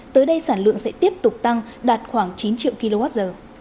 tới đây sản lượng sẽ tiếp tục tăng đạt khoảng chín triệu kwh